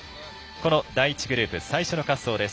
この第１グループ最初の滑走です。